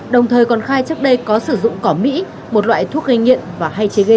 đồng thời còn khai trước đây có sử dụng cỏ mỹ một loại thuốc gây nghiện và hai chế gây